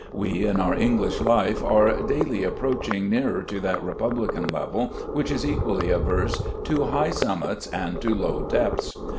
We in our English life are daily approaching nearer to that republican level which is equally averse to high summits and to low depths.